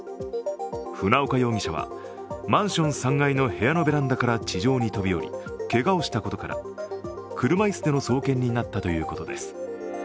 船岡容疑者はマンション３階の部屋のベランダから地上に飛び降りけがをしたことから車椅子での送検になったということです。